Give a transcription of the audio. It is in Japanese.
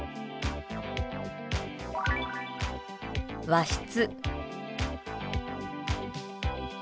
「和室」。